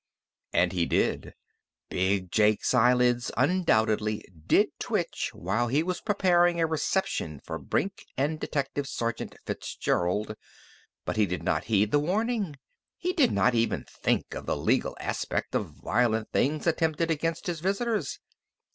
And he did. Big Jake's eyelids undoubtedly did twitch while he was preparing a reception for Brink and Detective Sergeant Fitzgerald. But he did not heed the warning. He did not even think of the legal aspect of violent things attempted against his visitors.